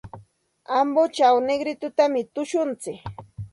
Ambochaw Negritotami tushuntsik.